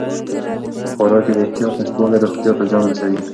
په خوراک کې د احتیاط نشتوالی روغتیا ته زیان رسوي.